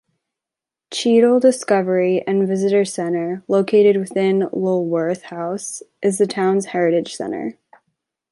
Cheadle Discovery and Visitor Centre located within Lulworth House, is the town's heritage centre.